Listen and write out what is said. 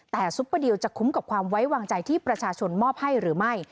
แต่ซุปเปอร์ดิลจะคุ้มกับความไว้วางใจที่ประชาชนมอบให้หรือไม่